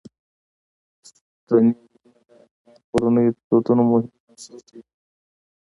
ستوني غرونه د افغان کورنیو د دودونو مهم عنصر دی.